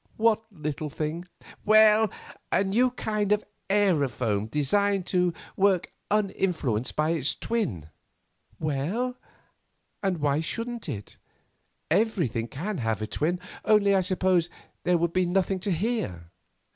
What little thing?" "Well, a new kind of aerophone designed to work uninfluenced by its twin." "Well, and why shouldn't it? Everything can't have a twin—only I suppose there would be nothing to hear."